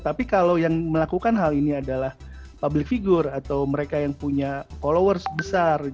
tapi kalau yang melakukan hal ini adalah public figure atau mereka yang punya followers besar